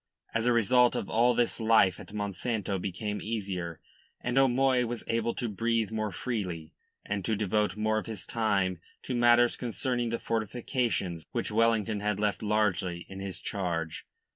As a result of all this life at Monsanto became easier, and O'Moy was able to breathe more freely, and to devote more of his time to matters concerning the fortifications which Wellington had left largely in his charge.